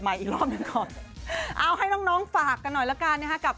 อีกรอบหนึ่งก่อนเอาให้น้องน้องฝากกันหน่อยละกันนะฮะกับ